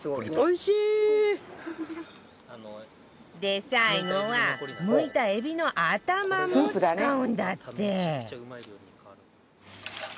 で最後はむいた海老の頭も使うんだって